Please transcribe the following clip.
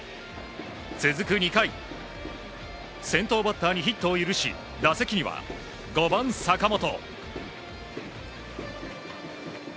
続く２回先頭バッターにヒットを許し打席には５番、坂本。